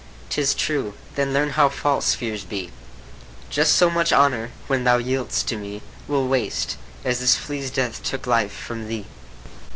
'Tis true ; then learn how false fears be ; Just so much honour, when thou yield'st to me, Will waste, as this flea's death took life from thee.